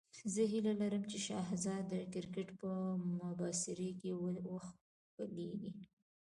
زه هیله لرم چې شهزاد د کرکټ په مبصرۍ کې وښکلېږي.